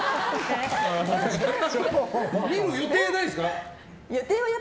見る予定はないですか？